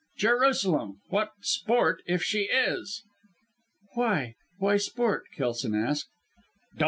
Jerusalem! What sport if she is!" "Why? Why sport?" Kelson asked. "Dolt!